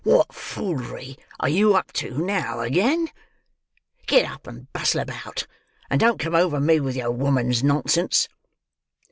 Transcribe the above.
"What foolery are you up to, now, again? Get up and bustle about, and don't come over me with your woman's nonsense."